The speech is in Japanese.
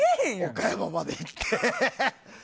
岡山まで行って。